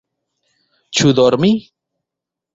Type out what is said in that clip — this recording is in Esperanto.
Ĉu dormi?